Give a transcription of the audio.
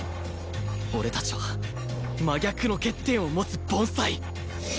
俺たちは真逆の欠点を持つ凡才